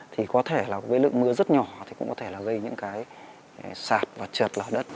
thì có thể là với lượng mưa rất nhỏ thì cũng có thể là gây những cái sạt và trượt lở đất